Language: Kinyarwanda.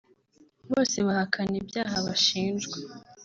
bose bahakana Ibyaha bashinjwa